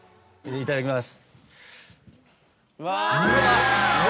いただきます。